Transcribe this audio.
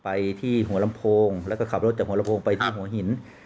ไปที่หัวลำโพงแล้วก็ขับรถจากหัวลำโพงไปที่หัวหิน